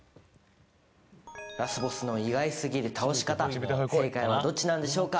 ラスボスの意外過ぎる倒し方正解はどっちなんでしょうか？